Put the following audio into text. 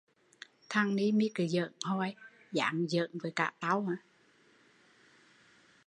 Thằng ni mi cứ bỡn hoài, dám bỡn với cả tau